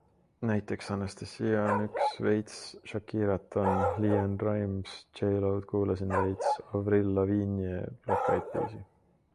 Näiteks Anastasia on üks, veits Shakirat on, LeAnn Rimes, J-Lo'd kuulasin veits, Avril Lavigne'i, Black Eyed Peas'i.